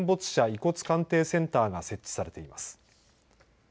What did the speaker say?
遺骨鑑定センターが設置されています。